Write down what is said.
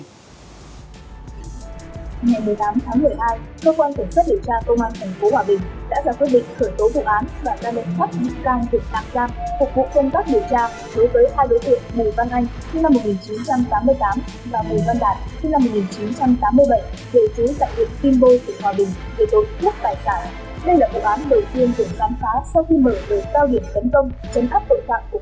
ngày một mươi tám tháng một mươi hai cơ quan thẩm xuất điều tra công an thành phố hòa bình đã ra quyết định khởi tố vụ án